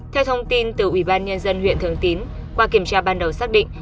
theo thông tin từ ủy ban nhân dân huyện thường tín qua kiểm tra ban đầu xác định